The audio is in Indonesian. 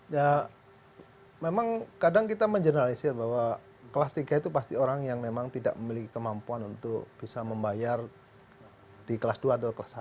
ya memang kadang kita mengenalisir bahwa kelas tiga itu pasti orang yang memang tidak memiliki kemampuan untuk bisa membayar di kelas dua atau kelas satu